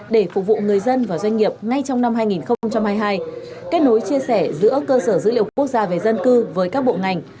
để phục vụ người dân và doanh nghiệp ngay trong năm hai nghìn hai mươi hai kết nối chia sẻ giữa cơ sở dữ liệu quốc gia về dân cư với các bộ ngành